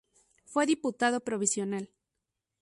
Fue diputado provincial.